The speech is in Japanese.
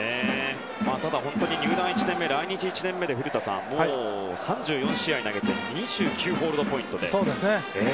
ただ、入団１年目来日１年目で、古田さんもう３４試合投げて２９ホールドポイント。